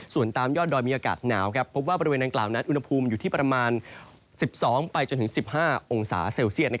ส่วนตามยอดดอยมีอากาศหนาวพบว่าบริเวณดังกล่าวนั้นอุณหภูมิอยู่ที่ประมาณ๑๒ไปจนถึง๑๕องศาเซลเซียต